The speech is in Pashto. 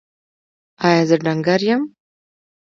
ایا زه ډنګر یم؟